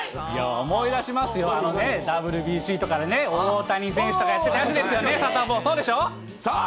思い出しますよ、あのね、ＷＢＣとかでね、大谷選手とかやってたやつですよね、サタボー、そうでしょう？